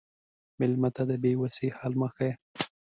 مېلمه ته د بې وسی حال مه ښیه.